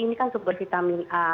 ini kan sumber vitamin a